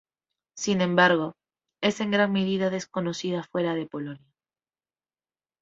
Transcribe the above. Sin embargo, es en gran medida desconocida fuera de Polonia.